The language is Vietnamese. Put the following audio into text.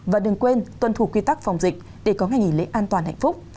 và đừng quên tuân thủ quy tắc phòng dịch để có ngày nghỉ lễ an toàn hạnh phúc